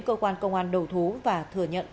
cơ quan công an đầu thú và thừa nhận